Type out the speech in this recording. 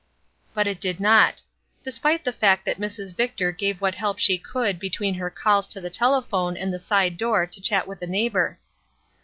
But it did not; despite the fact that Mrs. Victor gave what help she could between her calls to the telephone and the side door to chat with a neighbor.